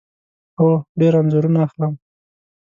هو، ډیر انځورونه اخلم